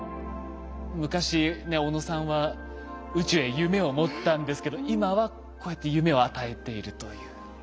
昔ね小野さんは宇宙へ夢を持ったんですけど今はこうやって夢を与えているという。